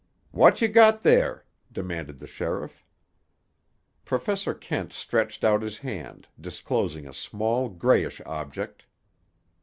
"Wot ye got there?" demanded the sheriff. Professor Kent stretched out his hand, disclosing a small grayish object.